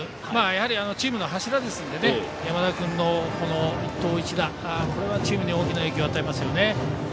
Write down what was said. やはり、チームの柱ですので山田君の一投一打これはチームに大きな影響を与えますよね。